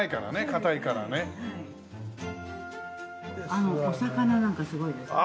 あのお魚なんかすごいですよ。